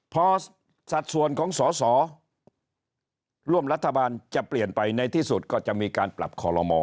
พอสัดส่วนของสอสอร่วมรัฐบาลจะเปลี่ยนไปในที่สุดก็จะมีการปรับคอลโลมอ